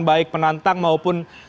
baik penantang maupun